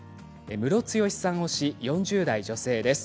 ムロツヨシさん推し４０代女性です。